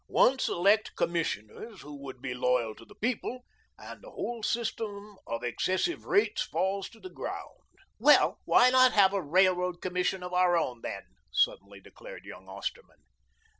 Once elect Commissioners who would be loyal to the people, and the whole system of excessive rates falls to the ground." "Well, why not HAVE a Railroad Commission of our own, then?" suddenly declared young Osterman.